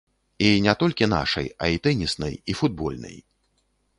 І не толькі нашай, а і тэніснай, і футбольнай.